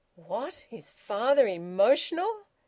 What! His father emotional!